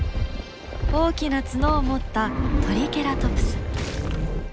大きな角を持ったトリケラトプス。